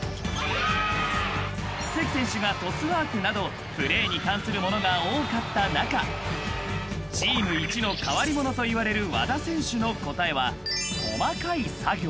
［関選手がトスワークなどプレーに関するものが多かった中チーム１の変わり者といわれる和田選手の答えは］